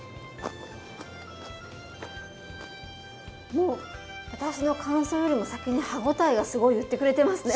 もう私の感想よりも先に歯応えがすごい言ってくれてますね。